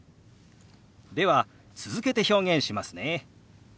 では続けて表現しますね。